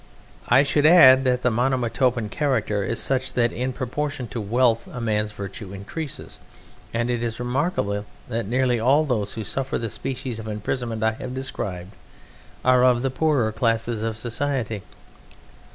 I should add that the Monomotapan character is such that in proportion to wealth a man's virtues increase, and it is remarkable that nearly all those who suffer the species of imprisonment I have described are of the poorer classes of society.